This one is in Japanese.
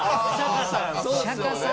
そうシャカさん！